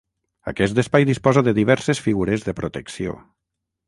Aquest espai disposa de diverses figures de protecció.